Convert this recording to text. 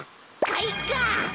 かいか！